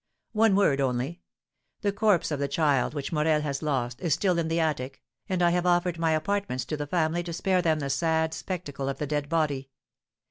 One word only: the corpse of the child which Morel has lost is still in the attic, and I have offered my apartments to the family to spare them the sad spectacle of the dead body.